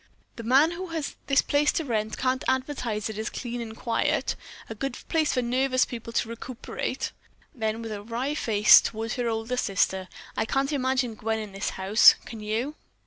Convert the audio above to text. "The man who has this place to rent can't advertise it as clean and quiet, a good place for nervous people to recuperate." Then with a wry face toward her older sister. "I can't imagine Gwen in this house, can you?"